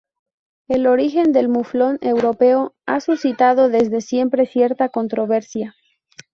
El origen del muflón europeo ha suscitado desde siempre cierta controversia.